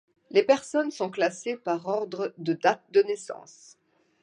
Les personnes sont classées par ordre de date de naissance.